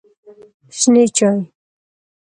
شنې چای